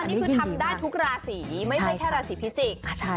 นี่คือทำได้ทุกราศีไม่ใช่แค่ราศีพิจิกษ์